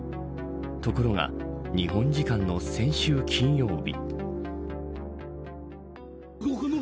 ところが日本時間の先週金曜日。